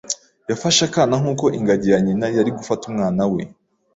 Yafashe akana nkuko ingagi ya nyina yari gufata umwana we.